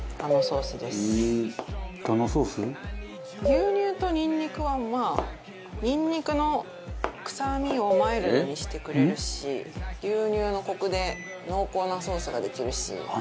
牛乳とニンニクはまあニンニクの臭みをマイルドにしてくれるし牛乳のコクで濃厚なソースができるし。